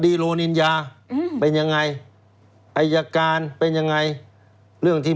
คดีโลนินยาเป็นยังไง